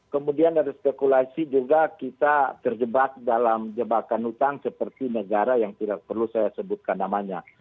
kemudian dari spekulasi juga kita terjebak dalam jebakan hutang seperti negara yang tidak perlu saya sebutkan namanya